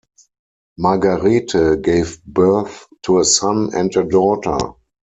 Margarete gave birth to a son and a daughter.